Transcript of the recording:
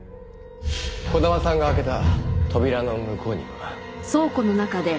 児玉さんが開けた扉の向こうには。